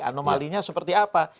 anomalinya seperti apa